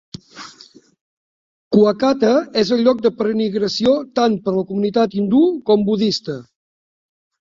Kuakata és el lloc de peregrinació tant per a la comunitat hindú com budista.